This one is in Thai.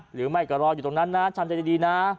หรือไม่ก็รออยู่ตรงนั้นนะทำใจดีนะ